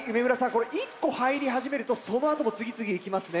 これ１個入り始めるとその後も次々いきますね。